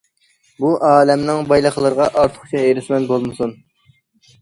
بۇ ئالەمنىڭ بايلىقلىرىغا ئارتۇقچە ھېرىسمەن بولمىسۇن.